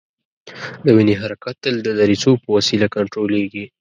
د وینې حرکت تل د دریڅو په وسیله کنترولیږي.